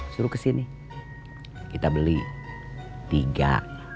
suruh kesini kita beli tiga